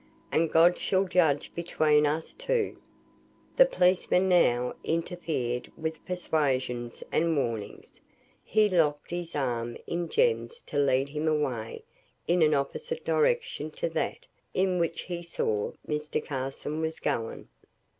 And God shall judge between us two." The policeman now interfered with persuasions and warnings. He locked his arm in Jem's to lead him away in an opposite direction to that in which he saw Mr. Carson was going.